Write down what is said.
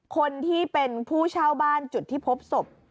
คนที่เป็นผู้เช่าบ้านจุดที่พบศพ